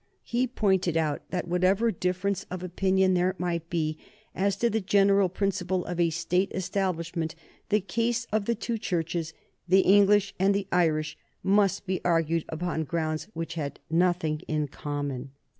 He pointed out that, whatever difference of opinion there might be as to the general principle of a State Establishment, the case of the two Churches, the English and the Irish, must be argued upon grounds which had nothing in common.